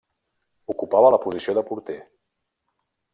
Ocupava la posició de porter.